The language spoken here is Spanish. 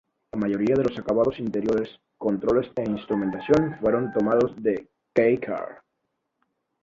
La mayoría de los acabados interiores, controles e instrumentación, fueron tomados de los K-car.